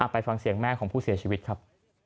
ไปฟังเสียงแม่ของผู้เสียชีวิตครับ